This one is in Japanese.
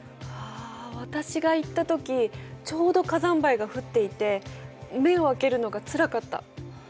あ私が行ったときちょうど火山灰が降っていて目を開けるのがつらかった。